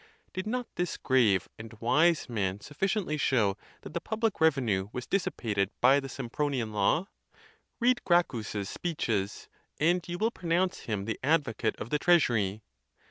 Did not this grave and wise man suffi ciently show that the public revenue was dissipated by the Sempronian law? Read Gracchus's speeches, and you will pronounce him the advocate of the treasury.